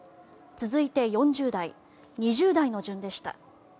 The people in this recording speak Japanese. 続いて４０代、２０代の順でした。